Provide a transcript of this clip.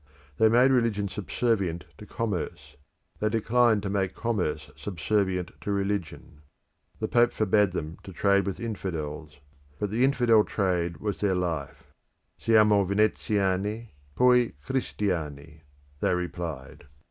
They made religion subservient to commerce: they declined to make commerce subservient to religion. The Pope forbade them to trade with infidels: but the infidel, trade was their life. Siamo Veneziani poi Cristiani, they replied.